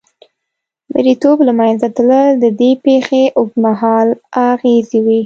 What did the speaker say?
مریتوب له منځه تلل د دې پېښې اوږدمهاله اغېزې وې.